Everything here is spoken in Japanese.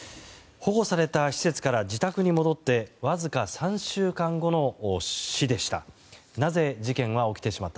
保護された施設から自宅に戻ってわずか３週間後の死でした。